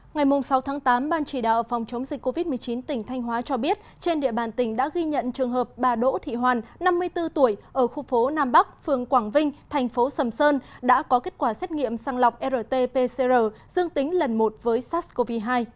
ngày sáu tháng tám ban chỉ đạo phòng chống dịch covid một mươi chín tỉnh thanh hóa cho biết trên địa bàn tỉnh đã ghi nhận trường hợp bà đỗ thị hoàn năm mươi bốn tuổi ở khu phố nam bắc phường quảng vinh thành phố sầm sơn đã có kết quả xét nghiệm sang lọc rt pcr dương tính lần một với sars cov hai